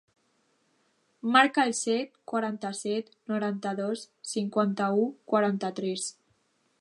Marca el set, quaranta-set, noranta-dos, cinquanta-u, quaranta-tres.